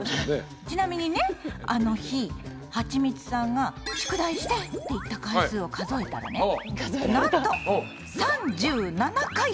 ちなみにねあの日はちみつさんが「宿題して！」って言った回数を数えたらねなんと３７回だったのよ。